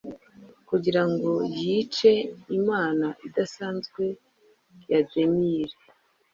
kugirango yice imana idasanzwe ya demire